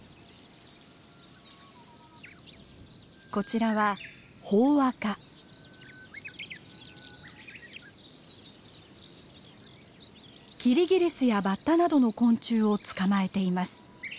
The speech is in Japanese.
こちらはキリギリスやバッタなどの昆虫を捕まえています。